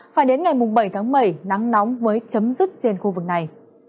phải đến ngày bảy tháng bảy nắng nóng mới chấm dứt trên khu vực này